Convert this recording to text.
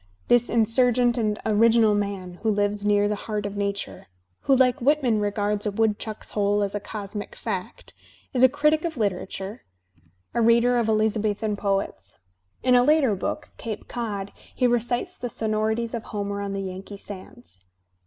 This insurgent and original man, who Kves near the heart of nature, who, like Whitman, regards a woodchuck's hole as a cosmic fact, is a critic of literature, a reader of Eliza Digitized by Google 180 THE SPIRIT OF AMERICAN LITERATURE bethan poets. In a later book, "Cape Cod," he recites the sonorities of Homer on the Yankee sands.